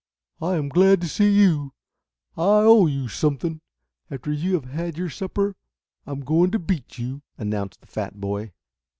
"I am glad to see you. I owe you something. After you have had your supper I'm going to beat you," announced the fat boy.